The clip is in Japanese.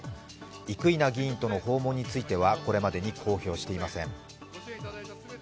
生稲議員との訪問についてはこれまでに公表していません。